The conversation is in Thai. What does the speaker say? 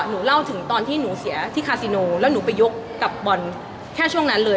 เล่าถึงตอนที่หนูเสียที่คาซิโนแล้วหนูไปยกกับบอลแค่ช่วงนั้นเลย